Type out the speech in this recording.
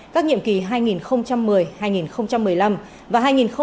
các nhiệm kỳ hai nghìn một mươi hai nghìn một mươi năm và hai nghìn một mươi năm hai nghìn hai mươi